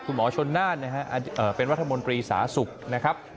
คุณหมอชนหน้านะฮะเอ่อเป็นรัฐมนตรีสาศุกร์นะครับ